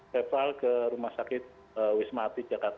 refal ke rumah sakit wismati jakarta